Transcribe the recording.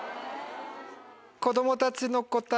子供たちの答え